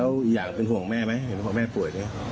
แล้วอีกอย่างเป็นห่วงแม่ไหมห่วงแม่ป่วยไหม